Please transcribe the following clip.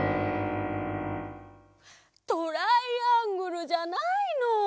トライアングルじゃないの！